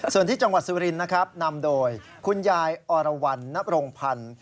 ส่วนที่จังหวัดสุรินทร์นะครับนำโดยคุณยายอรวรรณนับรงพันธ์